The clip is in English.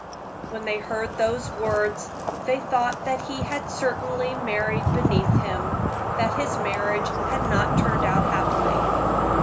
When they heard those words they thought that he had certainly married beneath him that his marriage had not turned out happily.